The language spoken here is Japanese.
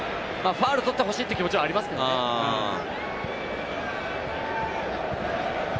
ファウルを取ってほしいという気持ちもありますよね。